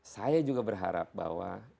saya juga berharap bahwa